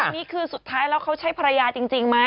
นี่คือสุดท้ายแล้วเขาใช้ภรรยาจริงไหม